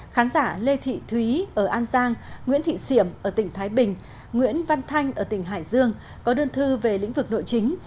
khán giả lê thị thúy ở an giang nguyễn thị xiểm ở tỉnh thái bình nguyễn văn thanh ở tỉnh hải dương có đơn thư về lĩnh vực nội chính